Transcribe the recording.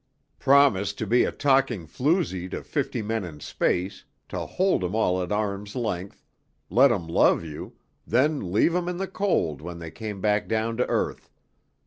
"Promise to be a talking floozy to fifty men in space, to hold 'em all at arm's length, let 'em love you, then leave 'em in the cold when they came back down to earth.